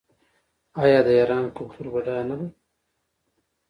آیا د ایران کلتور بډایه نه دی؟